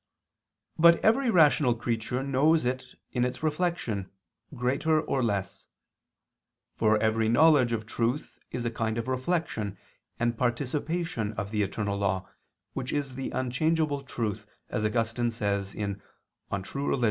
But every rational creature knows it in its reflection, greater or less. For every knowledge of truth is a kind of reflection and participation of the eternal law, which is the unchangeable truth, as Augustine says (De Vera Relig.